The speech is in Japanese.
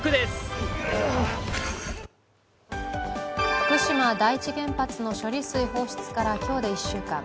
福島第一原発の処理水放出から今日で１週間。